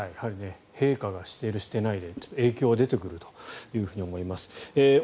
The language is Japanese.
陛下がしている、していないで影響は出てくると思います。